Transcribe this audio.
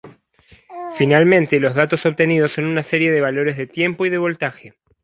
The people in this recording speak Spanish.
Finalmente, los datos obtenidos son una serie de valores de tiempo y de voltaje.